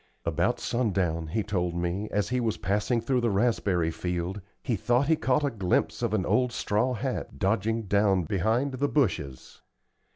About sun down, he told me, as he was passing through the raspberry field, he thought he caught a glimpse of an old straw hat dodging down behind the bushes.